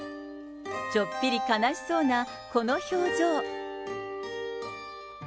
ちょっぴり悲しそうな、この表情。